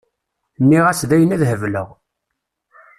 Nniɣ-as dayen ad hebleɣ.